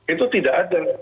itu tidak ada